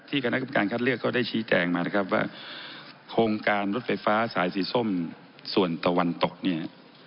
คณะกรรมการคัดเลือกก็ได้ชี้แจงมานะครับว่าโครงการรถไฟฟ้าสายสีส้มส่วนตะวันตกเนี่ย